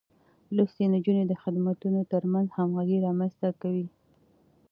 لوستې نجونې د خدمتونو ترمنځ همغږي رامنځته کوي.